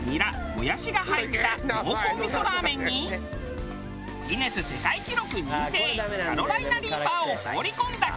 もやしが入った濃厚味噌ラーメンにギネス世界記録認定キャロライナリーパーを放り込んだひと品。